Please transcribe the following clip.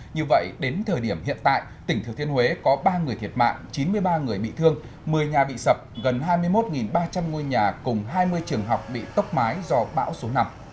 như vậy đến thời điểm hiện tại tỉnh thừa thiên huế có ba người thiệt mạng chín mươi ba người bị thương một mươi nhà bị sập gần hai mươi một ba trăm linh ngôi nhà cùng hai mươi trường học bị tốc mái do bão số năm